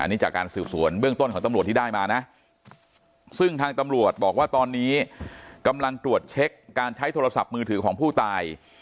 อันนี้จากการสืบสวนเบื้องต้นของตำรวจที่ได้มานะซึ่งทางตำรวจบอกว่าตอนนี้กำลังตรวจเช็คการใช้โทรศัพท์มือถือของผู้ตาย